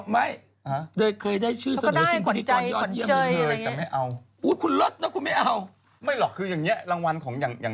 ไม่เคยได้ชื่อเสนอชื่อติดอดยอดอย่างงี้